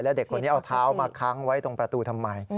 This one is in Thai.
เด็กคนนี้เอาเท้ามาค้างไว้ตรงประตูทำไม